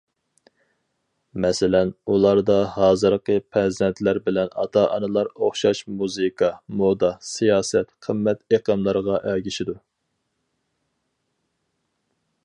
مەسىلەن: ئۇلاردا ھازىرقى پەرزەنتلەر بىلەن ئاتا- ئانىلار ئوخشاش مۇزىكا، مودا، سىياسەت، قىممەت ئېقىملىرىغا ئەگىشىدۇ.